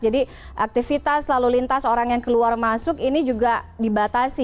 jadi aktivitas lalu lintas orang yang keluar masuk ini juga dibatasi